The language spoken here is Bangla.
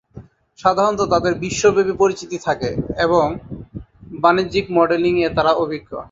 সাধারণত তাদের বিশ্বব্যাপী পরিচিতি থাকে, এবং বাণিজ্যিক মডেলিং-এ তারা অভিজ্ঞ।